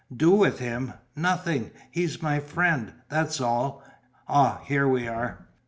"Do with him? Nothing. He's my friend, that's all. Ah, here we are."